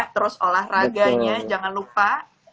terus olahraganya jangan lupa